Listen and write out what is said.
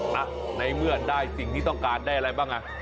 ในเมื่อได้สิ่งที่ต้องการได้อะไรบ้างอ่ะ